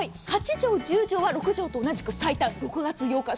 ８畳１０畳は６畳と同じく最短６月８日